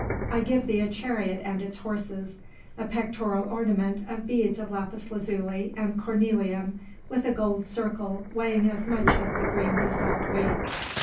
I give thee a chariot and its horses, a pectoral ornament of beads of lapis lazuli and cornelian, with a golden circle weighing as much as the green basalt weight."